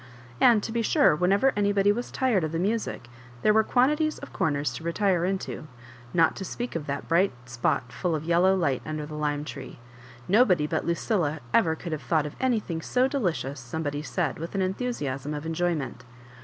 And, to be sure, whenever anybody was tired of the music, there were quantities of 'tiomers to retire uato, not to speak of that b^ght spot full of yellow light under the lime tree. "Nobody but Lucilla ever could have thought of anything so delicious," somebody said, with an enthusiasm of enjoyment.